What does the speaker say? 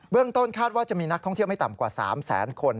เบื้องต้นคาดว่าจะมีนักท่องเที่ยวไม่ต่ำกว่า๓๐๐๐๐๐คน